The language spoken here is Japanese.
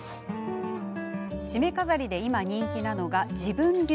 しめ飾りで今、人気なのが自分流。